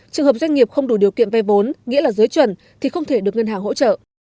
trường hợp doanh nghiệp không đủ điều kiện vay vốn nghĩa là dưới chuẩn thì không thể được ngân hàng hỗ trợ